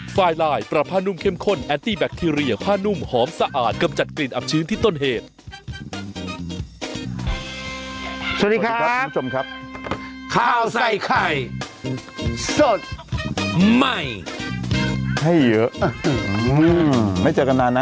สวัสดีครับคุณผู้ชมครับข้าวใส่ไข่สดใหม่ให้เยอะไม่เจอกัน